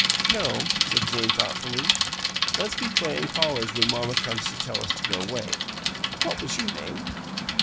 "No," Jane said, thoughtfully. "Let's be playin' callers when mamma comes to tell us to go 'way. What was your name?"